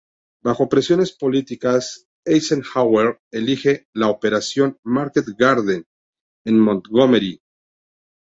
Bajo presiones políticas, Eisenhower elije la "Operación Market Garden" de Montgomery.